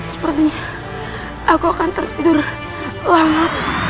sepertinya aku akan terlidur lama